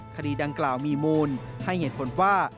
คดีดังกล่าวมีมูลให้เหตุผลว่า